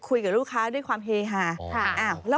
คุยกับลูกค้าด้วยความเฮฮา